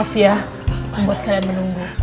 maaf ya membuat kalian menunggu